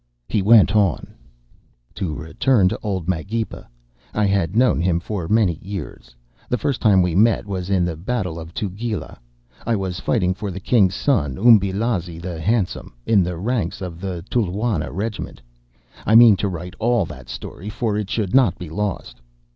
He went on:— "To return to old Magepa. I had known him for many years. The first time we met was in the battle of the Tugela. I was fighting for the king's son, Umbelazi the Handsome, in the ranks of the Tulwana regiment—I mean to write all that story, for it should not be lost.